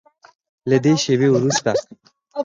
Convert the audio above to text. له دې شیبې وروسته